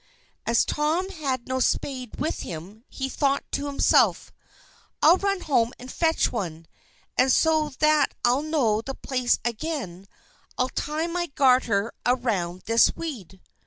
As Tom had no spade with him, he thought to himself: "I'll run home and fetch one. And so that I'll know the place again, I'll tie my garter around this weed."